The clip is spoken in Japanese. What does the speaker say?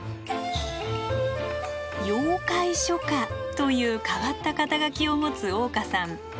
「妖怪書家」という変わった肩書を持つ香さん。